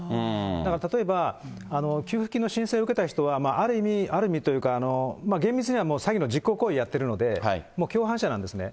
だから例えば、給付金の申請を受けた人は、ある意味、ある意味というか、厳密にはもう詐欺の実行行為をやってるので、共犯者なんですね。